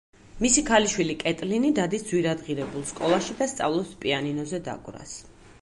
მისი ქალიშვილი კეტლინი დადის ძვირადღირებულ სკოლაში და სწავლობს პიანინოზე დაკვრას.